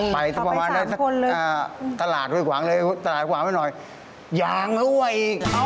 หลับไม่ได้กลัวตายใช่ไหมครับกลัวตาย